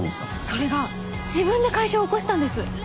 それが自分で会社を起こしたんです。